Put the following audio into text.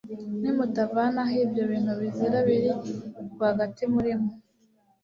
nimutavanaho ibyo bintu bizira biri rwagati muri mwe